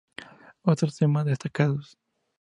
Otros temas destacados